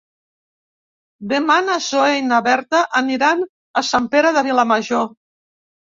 Demà na Zoè i na Berta aniran a Sant Pere de Vilamajor.